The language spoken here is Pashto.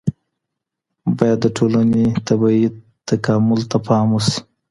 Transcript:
باید د ټولني طبیعي تکامل ته پام وسي.